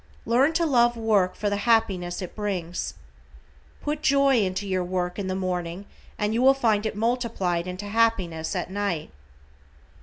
Learn to love work for the happiness it brings. Put joy into your work in the morning and you will find it multiplied into happiness at night.